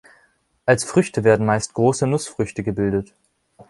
Als Früchte werden meist große Nussfrüchte gebildet.